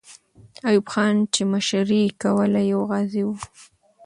ایوب خان چې مشري یې کوله، یو غازی وو.